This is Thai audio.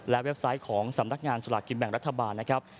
๐๒๓๔๕๑๔๖๑๙๐๐๑๙๐๐๑๐และเว็บไซต์ของสำนักงานสลากินแบ่งรัฐบาลนะครับ